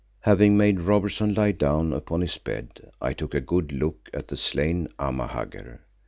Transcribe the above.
Having made Robertson lie down upon his bed, I took a good look at the slain Amahagger.